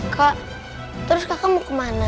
kak terus kakak mau kemana